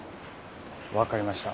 わかりました。